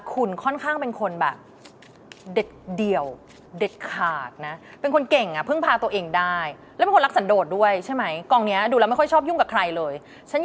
คุณค่อนข้างเป็นคนแบบเด็ดเดี่ยวเด็ดขาดนะ